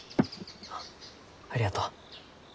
あっありがとう。